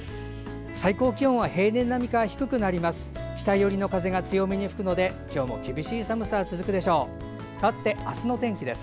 最高気温は平年並みか低くなります。